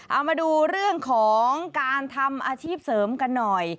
เอามาดูเรื่องของการทำอาชีพเสริมกันหน่อย